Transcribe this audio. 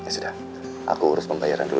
setiap tak dapati sambutmu